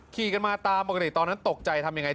ขี่กันมาตามปกติตอนนั้นตกใจทำยังไง